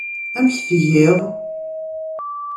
Amek tgiḍ?